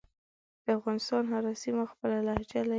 دافغانستان هره سیمه خپله لهجه لری